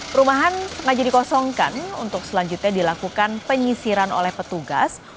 perumahan sengaja dikosongkan untuk selanjutnya dilakukan penyisiran oleh petugas